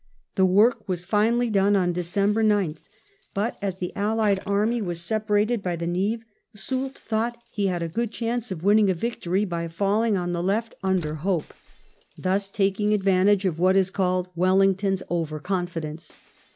The work was finely done on Docembor 9th, but as the Allied army was separated by the Nive, Soult thought he had a good chance of winning a victory by falling on the left under Hope, VIII PASSES THE NIVE AND NIVELLE 191 thus taking advantage of ^hat is called Wellington's over confidence.